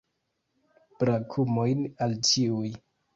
Brakumojn al ĉiuj!